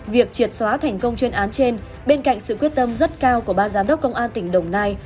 việc triệt xóa thành công chuyên án trên bên cạnh sự quyết tâm rất cao của ba giám đốc công an tỉnh đồng nai